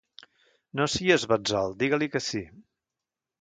No sies betzol, diga-li que sí.